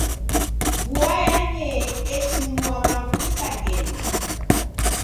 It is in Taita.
Vua yanyee eshinua w'andu isangenyi.